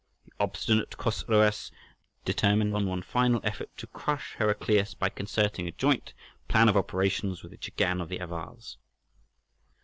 The obstinate Chosroës determined on one final effort to crush Heraclius, by concerting a joint plan of operations with the Chagan of the Avars.